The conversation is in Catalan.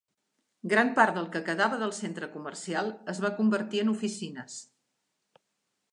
Gran part del que quedava del centre comercial es va convertir en oficines.